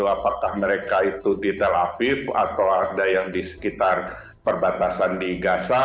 apakah mereka itu di tel aviv atau ada yang di sekitar perbatasan di gaza